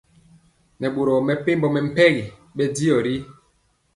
Nɛ boro mepempɔ mɛmpegi bɛndiɔ ri.